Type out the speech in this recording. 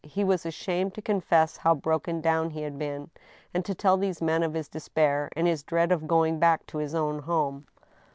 He was ashamed to con fess how broken down he had been, and to tell these men of his despair and his dread of going back to his own home.